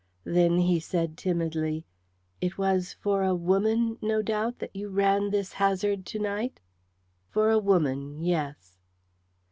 Then he said timidly, "It was for a woman, no doubt, that you ran this hazard to night?" "For a woman, yes."